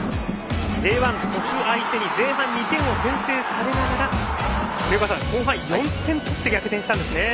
Ｊ１の鳥栖相手に前半２点を先制されながら森岡さん、後半４点取って逆転したんですね。